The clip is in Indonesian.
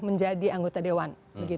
menjadi anggota dewan